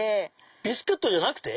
ビスケットじゃなくて？